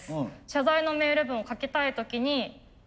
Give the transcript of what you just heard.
謝罪のメール文を書きたい時に。